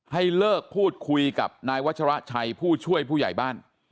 ให้เลิกพูดคุยกับนายวัชราชัยผู้ช่วยผู้ใหญ่บ้าน